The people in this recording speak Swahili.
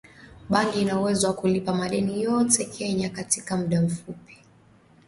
bangi ina uwezo wa kulipa madeni yote ya Kenya katika mda mfupi